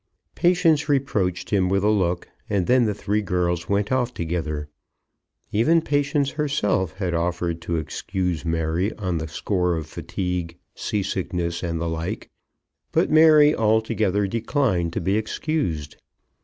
Patience reproached him with a look, and then the three girls went off together. Even Patience herself had offered to excuse Mary, on the score of fatigue, seasickness, and the like; but Mary altogether declined to be excused.